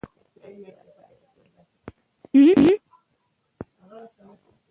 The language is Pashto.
راځه کورته لېږ مجلس به وکړو